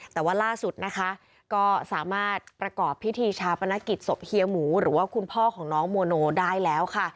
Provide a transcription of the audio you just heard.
แต่ว่าล่าสุดนะคะก็สามารถประกอบพิธีชาปนกิจศพเฮียหมูหรือว่าคุณพ่อของน้องโมโนได้แล้วค่ะ